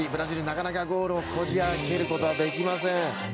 なかなかゴールをこじ開けることはできません。